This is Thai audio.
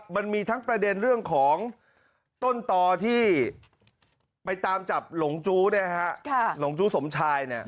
มันมีทั้งประเด็นเรื่องของต้นต่อที่ไปตามจับหลงจู้หลงจู้สมชาย